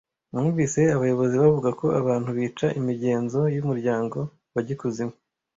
numvise abayobozi bavuga ko abantu bica imigenzo y’umuryango bajya ikuzimu